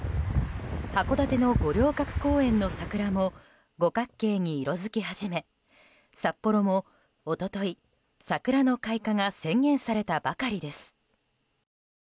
函館の五稜郭公園の桜も五角形に色づき始め札幌も一昨日桜の開花が宣言されたばかりです。